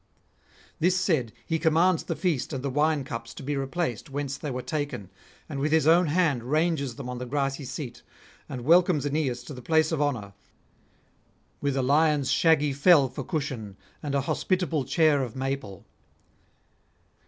This said, he commands the feast and the wine cups to be replaced whence they were taken, and with his own hand ranges them on the grassy seat, and welcomes Aeneas to the place of honour, with a lion's shaggy fell for cushion and a hospitable chair of maple.